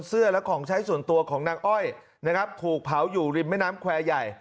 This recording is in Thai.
เสื้อและของใช้ส่วนตัวของนางอ้อยนะครับถูกเผาอยู่ริมแม่น้ำแควร์ใหญ่